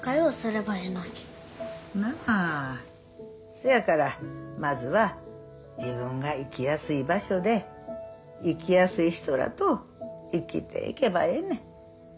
そやからまずは自分が生きやすい場所で生きやすい人らと生きていけばええねん。